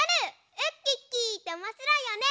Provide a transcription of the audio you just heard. ウッキッキーっておもしろいよね。